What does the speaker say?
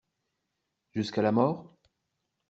Jusqu'à la mort?